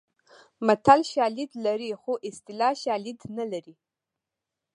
متل شالید لري خو اصطلاح شالید نه لري